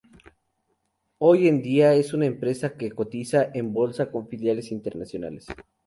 Hoy en día es una empresa que cotiza en bolsa con filiales internacionales.